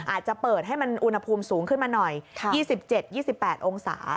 อาจจะเปิดให้มันอุณหภูมิสูงขึ้นมาหน่อย๒๗๒๘องศา